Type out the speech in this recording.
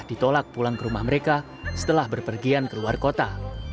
ditolak pulang ke rumah mereka setelah berpergian ke luar kota